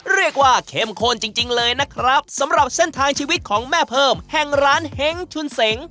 เรียกว่าเข้มข้นจริงจริงเลยนะครับสำหรับเส้นทางชีวิตของแม่เพิ่มแห่งร้านเฮ้งชุนเสง